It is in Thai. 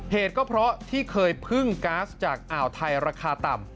เหตุก็เพราะที่เคยพึ่งก๊าซจากอ่าวไทยราคาต่ำ